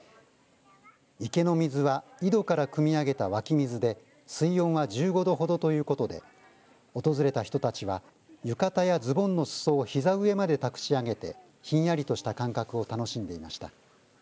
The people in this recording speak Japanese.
池の水は井戸からくみ上げた湧き水で水温は１５度ほどということで訪れた人たちは浴衣やズボンのすそをひざ上までたくし上げてひんやりとした感覚を楽しんでいました。